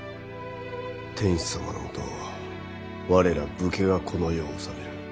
天子様のもと我ら武家がこの世を治める。